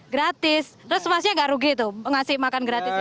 gratis terus masnya nggak rugi tuh ngasih makan gratisnya